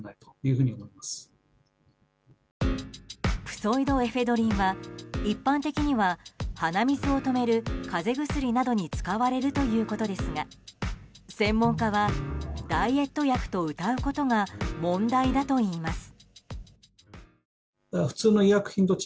プソイドエフェドリンは一般的には鼻水を止める風邪薬などに使われるということですが専門家はダイエット薬とうたうことが問題だといいます。